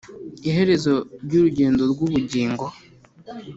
iherezo ry’urugendo rw’ubugingo